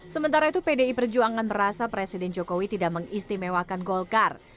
sementara itu pdi perjuangan merasa presiden jokowi tidak mengistimewakan golkar